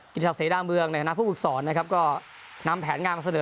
กิจกษัตริย์เศรษฐ์ด้านเมืองในคณะผู้ปรึกษรนะครับก็นำแผนงานมาเสนอ